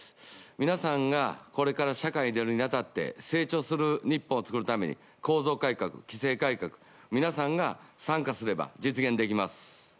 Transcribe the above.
皆さんがこれから社会に出るにあたって、成長する日本を作るために、構造改革、規制改革、皆さんが参加すれば実現できます。